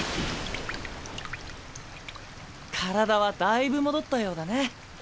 体はだいぶ戻ったようだね。